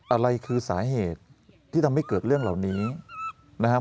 อะไรคือสาเหตุที่ทำให้เกิดเรื่องเหล่านี้นะครับ